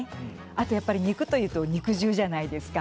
あとお肉というと肉汁じゃないですか。